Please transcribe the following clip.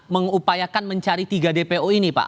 mengupayakan mencari tiga dpo ini pak